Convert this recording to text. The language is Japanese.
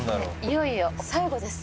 「いよいよ最後です。